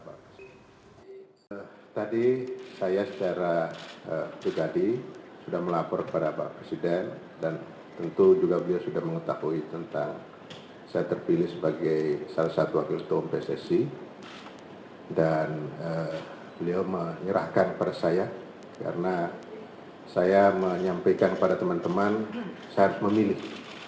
ketua pssi yang baru terpilih sebagai wakil tum pstc dan beliau menyerahkan pada saya karena saya menyampaikan kepada teman teman saya harus memilih